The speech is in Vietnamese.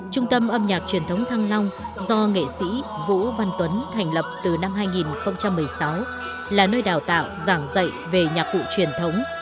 trung tâm âm nhạc truyền thống thăng long do nghệ sĩ vũ văn tuấn thành lập từ năm hai nghìn một mươi sáu là nơi đào tạo giảng dạy về nhạc cụ truyền thống